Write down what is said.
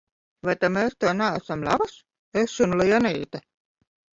Vai ta mēs tev neesam labas, es un Lienīte?